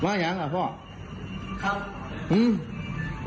มาอย่างหรือพ่อ